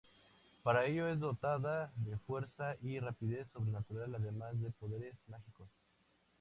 Para ello es dotada de fuerza y rapidez sobrenatural, además de poderes mágicos.